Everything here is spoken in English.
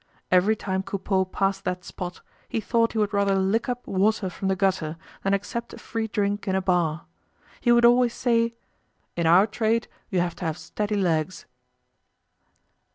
Every time Coupeau passed that spot, he thought he would rather lick up water from the gutter than accept a free drink in a bar. He would always say: "In our trade, you have to have steady legs."